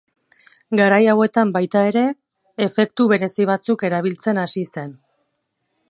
Garai hauetan baita ere, efektu berezi batzuk erabiltzen hasi zen.